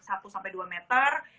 satu sampai dua meter